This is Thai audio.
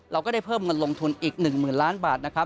เราก็ได้เพิ่มเงินลงทุนอีก๑๐๐๐๐๐๐๐บาท